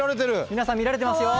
皆さん見られてますよ。